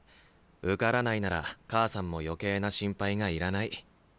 受からないなら母さんも余計な心配がいらない。